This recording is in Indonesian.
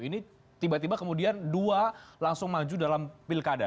ini tiba tiba kemudian dua langsung maju dalam pilkada